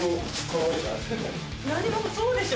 何もそうでしょ？